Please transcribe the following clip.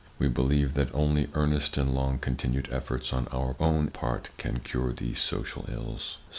We believe that only earnest and long continued efforts on our own part can cure these social ills.